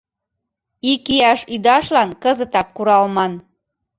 ИКИЯШ ӰДАШЛАН КЫЗЫТАК КУРАЛМАН